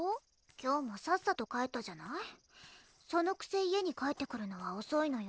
今日もさっさと帰ったじゃないそのくせ家に帰ってくるのはおそいのよ